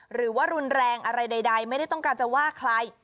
หรือว่ารุนแรงอะไรใดไม่ได้ต้องการจะว่าใคร